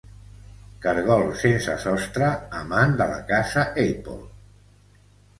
Cargol sense sostre amant de la casa Apple.